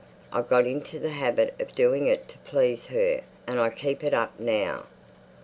I got into the habit of doing it to please her, and I keep it up now."